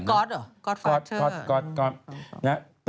นี่คือก๊อตเหรอก๊อตฟาร์ทเทอร์